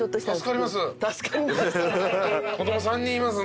助かります。